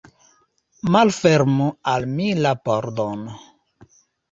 Malfermu al mi la pordon!